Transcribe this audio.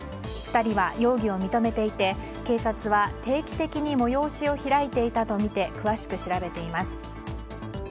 ２人は容疑を認めていて警察は定期的に催しを開いていたとみて詳しく調べています。